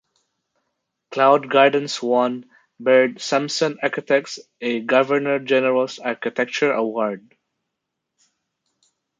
Cloud Gardens won Baird Sampson Architects a Governor General's Architecture Award.